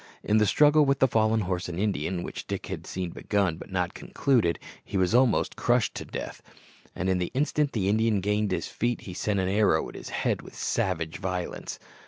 In the struggle with the fallen horse and Indian, which Dick had seen begun but not concluded, he was almost crushed to death; and the instant the Indian gained his feet, he sent an arrow at his head with savage violence.